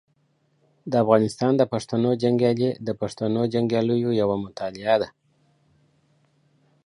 د افغانستان د پښتنو جنګیالي د پښتنو جنګیالیو یوه مطالعه ده.